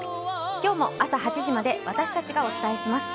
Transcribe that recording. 今日も朝８時まで私たちがお伝えしてまいります。